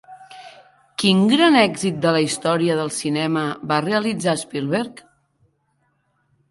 Quin gran èxit de la història del cinema va realitzar Spielberg?